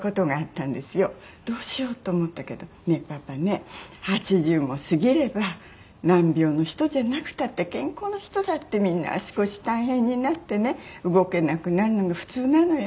どうしようと思ったけど「ねえパパね８０も過ぎれば難病の人じゃなくたって健康な人だってみんな足腰大変になってね動けなくなるのが普通なのよ」